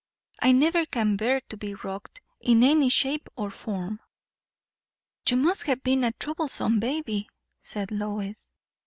I never can bear to be rocked, in any shape or form." "You must have been a troublesome baby," said Lois.